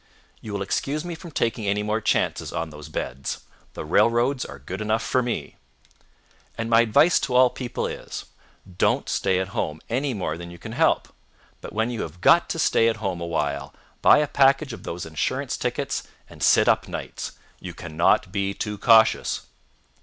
You will excuse me from taking any more chances on those beds. The railroads are good enough for me. And my advice to all people is, Don't stay at home any more than you can help; but when you have _got _to stay at home a while, buy a package of those insurance tickets and sit up nights. You cannot be too cautious.